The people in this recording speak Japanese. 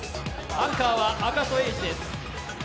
アンカーは赤楚衛二です。